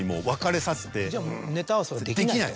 ネタ合わせはできない。